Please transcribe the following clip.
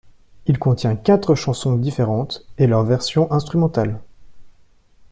Il contient quatre chansons différentes, et leurs versions instrumentales.